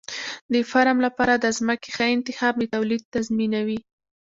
د فارم لپاره د ځمکې ښه انتخاب د تولید تضمینوي.